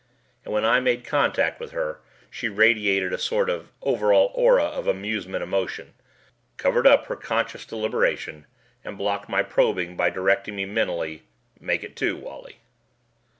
And when I made contact with her, she radiated a sort of overall aura of amusement emotion, covered up her conscious deliberation, and blocked any probing by directing me mentally, "Make it two, Wally."